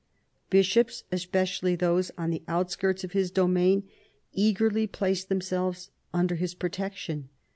Bishops, especially those on the outskirts of his domain, eagerly placed themselves under his protection.